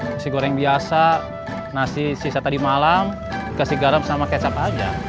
nasi goreng biasa nasi sisa tadi malam kasih garam sama kecap aja